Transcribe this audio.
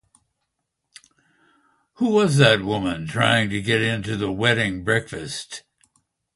Who was that woman trying to get in to the wedding breakfast?